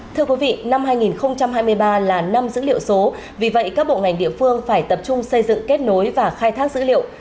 thưa quý vị năm hai nghìn hai mươi ba là năm dữ liệu số vì vậy các bộ ngành địa phương phải tập trung xây dựng kết nối và khai thác dữ liệu